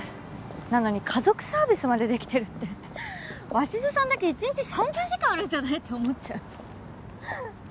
なのに家族サービスまでできてるって鷲津さんだけ１日３０時間あるんじゃないって思っちゃう。